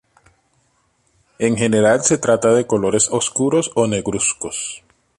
En general se trata de colores oscuros o negruzcos.